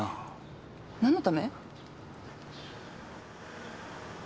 何のため？